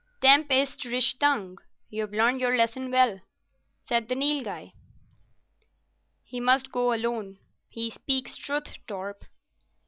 "Tempo ist richtung. You've learned your lesson well," said the Nilghai. "He must go alone. He speaks truth, Torp."